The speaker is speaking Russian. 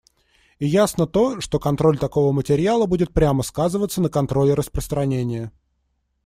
И ясно то, что контроль такого материала будет прямо сказываться на контроле распространения.